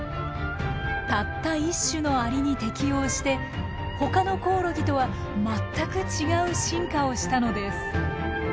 たった１種のアリに適応してほかのコオロギとは全く違う進化をしたのです。